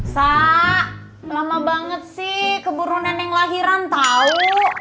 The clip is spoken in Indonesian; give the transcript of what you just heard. sak lama banget sih keburu nenek lahiran tau